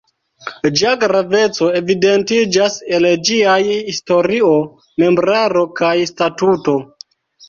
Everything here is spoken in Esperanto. Ĝia graveco evidentiĝas el ĝiaj historio, membraro kaj statuto.